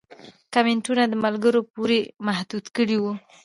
کمنټونه د ملګرو پورې محدود کړي وو